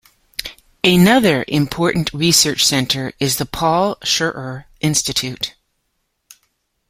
Another important research centre is the Paul Scherrer Institute.